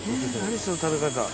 何その食べ方！